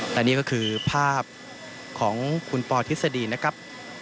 และนี่ก็คือภาพของคุณปอทฤษฎีนะครับ